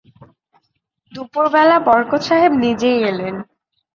দুপুরবেলা বরকত সাহেব নিজেই এলেন।